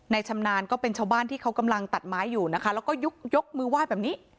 ชำนาญก็เป็นชาวบ้านที่เขากำลังตัดไม้อยู่นะคะแล้วก็ยกยกมือไหว้แบบนี้